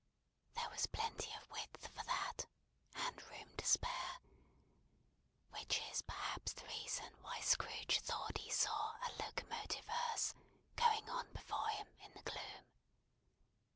There was plenty of width for that, and room to spare; which is perhaps the reason why Scrooge thought he saw a locomotive hearse going on before him in the gloom.